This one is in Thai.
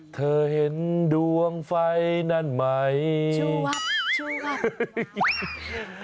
เธอเห็นดวงไฟนั่นไหมชูวัด